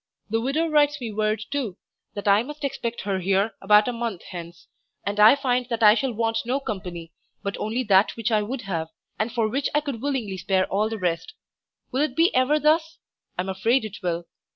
The widow writes me word, too, that I must expect her here about a month hence; and I find that I shall want no company, but only that which I would have, and for which I could willingly spare all the rest. Will it be ever thus? I am afraid it will.